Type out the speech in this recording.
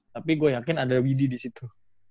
tapi gue yakin ada widi disitu